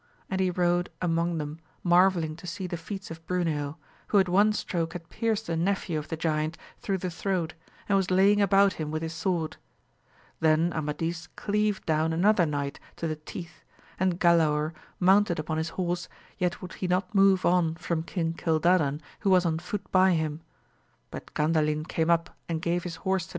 And he rode among them marvelling to see the feats of Bruneo, who at one stroke had pierced a nephew of the giant through the throat, and was laying about him with his sword Then Amadis cleaved down another knight to the teeth, and Galaor mounted upon his horse, yet would he not move on from King Cildadan who was on foot by him ; but Gandalin came up and gave his horse W AMADIS OF GAUL.